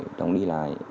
để tương đối